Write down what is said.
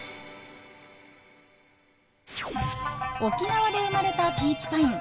沖縄で生まれたピーチパイン。